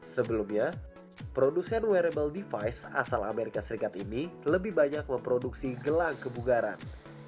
sebelumnya produsen wearable device asal amerika serikat ini lebih banyak memproduksi gelang kebugaran